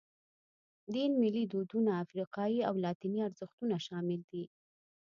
دین، ملي دودونه، افریقایي او لاتیني ارزښتونه شامل دي.